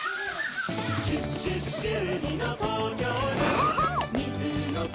そうそう！